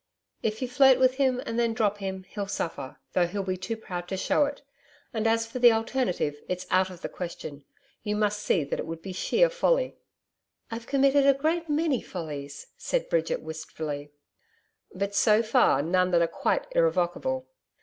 'If you flirt with him and then drop him, he'll suffer, though he'll be too proud to show it. And as for the alternative, it's out of the question. You must see that it would be sheer folly.' 'I've committed a great many follies,' said Bridget wistfully. 'But, so far, none that are quite irrevocable.'